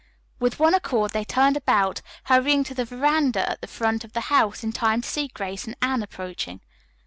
With one accord they turned about, hurrying to the veranda at the front of the house in time to see Grace and Anne approaching.